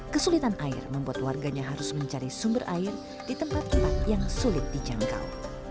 kesulitan air membuat warganya harus mencari sumber air di tempat tempat yang sulit dijangkau